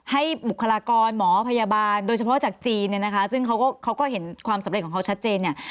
บุคลากรหมอพยาบาลโดยเฉพาะจากจีนเนี่ยนะคะซึ่งเขาก็เห็นความสำเร็จของเขาชัดเจนเนี่ย